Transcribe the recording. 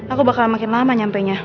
aku bakal makin lama nyampenya